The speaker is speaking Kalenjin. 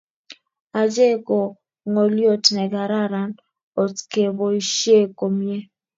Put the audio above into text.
Ache ko ngolyot nekararan otkeboisie komie